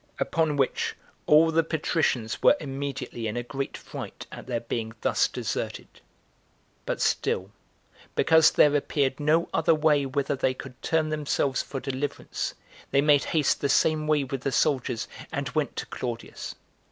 Upon which all the patricians were immediately in a great fright at their being thus deserted. But still, because there appeared no other way whither they could turn themselves for deliverance, they made haste the same way with the soldiers, and went to Claudius.